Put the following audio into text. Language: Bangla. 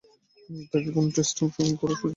তাকে কোন টেস্টে অংশগ্রহণ করার সুযোগ দেয়া হয়নি।